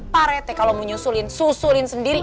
pak rete kalau mau nyusulin susulin sendiri